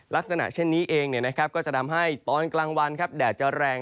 ลักษณะเช่นนี้เองก็จะทำให้ตอนกลางวันแดดจะแรง